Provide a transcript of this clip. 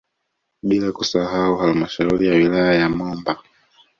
Bila kusahau halmashauri ya wilaya ya Momba